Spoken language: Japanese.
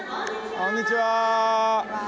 こんにちは。